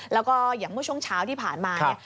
แล้วก็อย่างเมื่อช่วงเช้าที่ผ่านมาเนี่ย